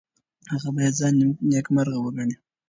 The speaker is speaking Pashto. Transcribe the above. هغه باید خپل ځان نیکمرغه وګڼي.